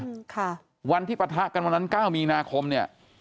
ค่ะวันที่ปะทะกันวันนั้นเก้ามีนาคมเนี่ย